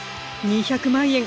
２００万円